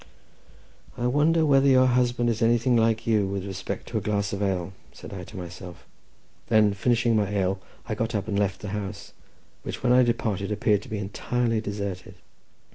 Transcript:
"I wonder whether your husband is anything like you with respect to a glass of ale?" said I to myself; then finishing my ale, I got up and left the house, which, when I departed, appeared to be entirely deserted.